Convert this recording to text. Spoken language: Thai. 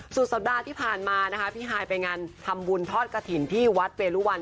สุดสัปดาห์ที่ผ่านฮายไปงานทำบุญทอดกะถิ่นที่วัดเบรุวัล